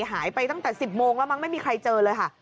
หายไปตั้งแต่๑๐โมงแล้วมั้งไม่มีใครเจอเลยค่ะ